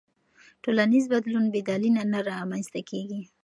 ټولنیز بدلون بې دلیله نه رامنځته کېږي.